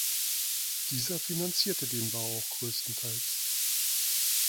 Dieser finanzierte den Bau auch größtenteils.